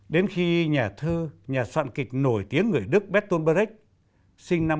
đến khi nhà thư nhà soạn kịch nổi tiếng người đức bertolt brecht sinh năm một nghìn tám trăm chín mươi tám